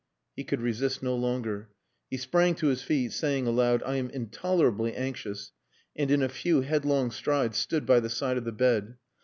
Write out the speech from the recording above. He could resist no longer. He sprang to his feet, saying aloud, "I am intolerably anxious," and in a few headlong strides stood by the side of the bed.